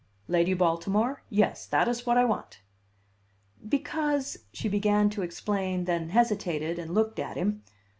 "Lady Baltimore? Yes, that is what I want." "Because," she began to explain, then hesitated, and looked at him.